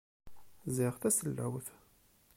Ziɣ tasellawt.